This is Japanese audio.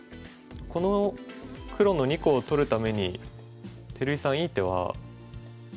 この黒の２個を取るために照井さんいい手は見えますか？